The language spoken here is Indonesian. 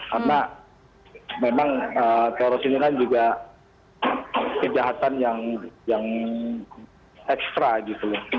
karena memang teroris ini kan juga kejahatan yang ekstra gitu